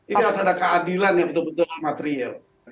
ini harus ada keadilan yang betul betul material